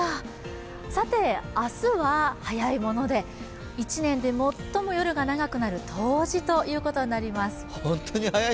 明日は早いもので、一年で最も夜が長くなる冬至ということになります。